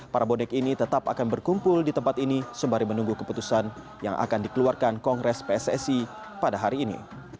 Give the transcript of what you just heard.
para bonek ini tetap akan berkumpul di tempat ini sembari menunggu keputusan yang akan dikeluarkan kongres pssi pada hari ini